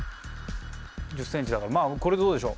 １０ｃｍだからまあこれでどうでしょう。